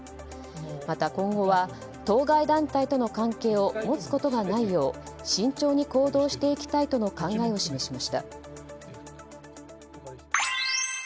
また、今後は当該団体との関係を持つことがないよう慎重に行動していきたいとの考えを示しました。